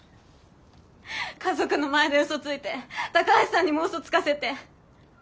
家族の前で嘘ついて高橋さんにも嘘つかせて。